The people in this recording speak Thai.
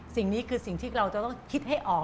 สิ่งนี้คือสิ่งที่เราจะต้องคิดให้ออก